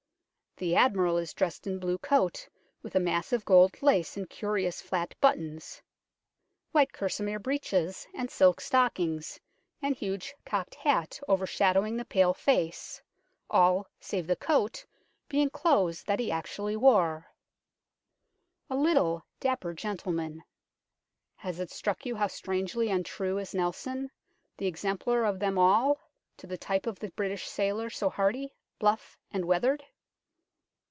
The Admiral is dressed in blue coat with a mass of gold lace and curious flat buttons, white kerseymere breeches and silk stockings, and huge cocked hat overshadowing ig8 UNKNOWN LONDON the pale face, all, save the coat, being clothes that he actually wore a little, dapper gentleman. Has it struck you how strangely untrue is Nelson, the exemplar of them all, to the type of the British sailor, so hearty, bluff, and weathered